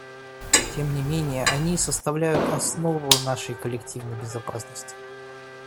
Тем не менее они составляют основу нашей коллективной безопасности.